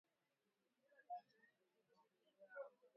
Tenga wanyama walioambukizwa